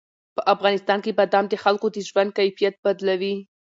په افغانستان کې بادام د خلکو د ژوند کیفیت بدلوي.